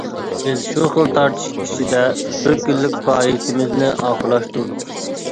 بىز شۇ خىل تارتىشىش ئىچىدە بىر كۈنلۈك پائالىيىتىمىزنى ئاخىرلاشتۇردۇق.